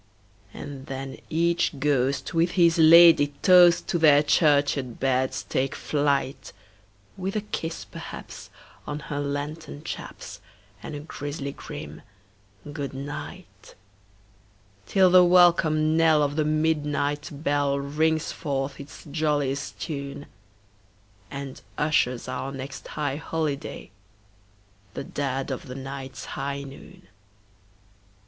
And then each ghost with his ladye toast to their churchyard beds take flight, With a kiss, perhaps, on her lantern chaps, and a grisly grim "good night"; Till the welcome knell of the midnight bell rings forth its jolliest tune, And ushers our next high holiday—the dead of the night's high noon!